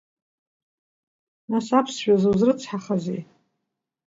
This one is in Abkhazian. Нас аԥсшәазы узрыцҳахазеи?